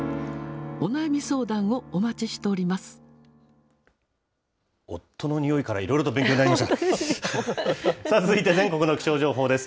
お悩み相談をお待ちしております。